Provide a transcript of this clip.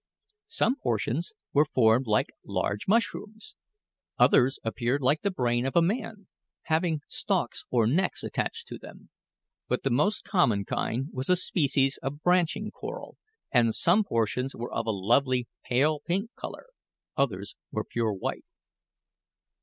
Some portions were formed like large mushrooms; others appeared like the brain of a man, having stalks or necks attached to them; but the most common kind was a species of branching coral, and some portions were of a lovely pale pink colour, others were pure white.